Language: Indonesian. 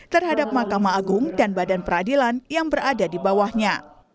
terhadap mahkamah agung dan badan peradilan yang berada di bawahnya